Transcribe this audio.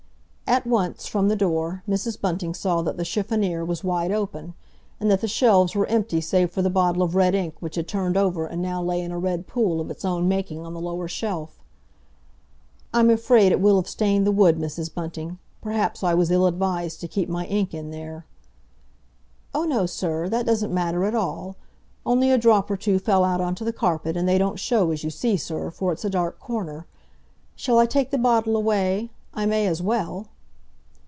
At once, from the door, Mrs. Bunting saw that the chiffonnier was wide open, and that the shelves were empty save for the bottle of red ink which had turned over and now lay in a red pool of its own making on the lower shelf. "I'm afraid it will have stained the wood, Mrs. Bunting. Perhaps I was ill advised to keep my ink in there." "Oh, no, sir! That doesn't matter at all. Only a drop or two fell out on to the carpet, and they don't show, as you see, sir, for it's a dark corner. Shall I take the bottle away? I may as well."